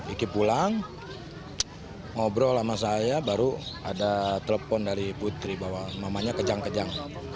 iki pulang ngobrol sama saya baru ada telepon dari putri bahwa mamanya kejang kejang